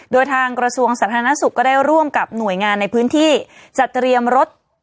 โดยทางกระทรวงสาธารณสุขก็ได้ร่วมกับหน่วยงานในพื้นที่จัดเตรียมรถ